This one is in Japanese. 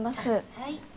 はい。